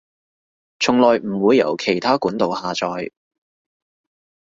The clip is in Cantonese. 從來唔會由其它管道下載